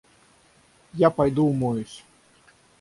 Я пойду умоюсь.